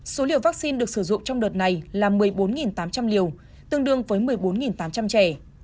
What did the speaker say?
số liều vaccine được sử dụng trong đợt này là một mươi bốn tám trăm linh liều tương đương với một mươi bốn tám trăm linh trẻ